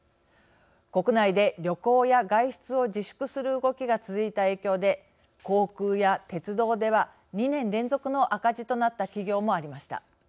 国内で旅行や外出を自粛する動きが続いた影響で航空や鉄道では２年連続の赤字となった企業もありました。